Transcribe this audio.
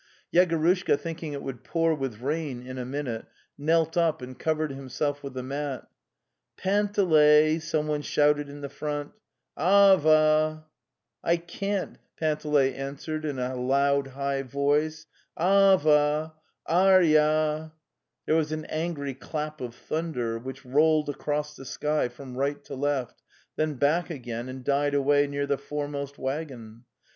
Yegorushka, thinking it would pour with rain in a minute, knelt up and covered himself with the mat. '' Panteley ey!'' someone shouted in the front. ht a ONAN SAE re 'I can't!' Panteley answered in a loud high ASicleeh inioe WIRTEC COW RMN USM eNO as vem AMEN ei AL: There was an angry clap of thunder, which rolled across the sky from right to left, then back again, and died away near the foremost waggon.